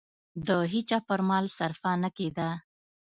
د هېچا پر مال صرفه نه کېده.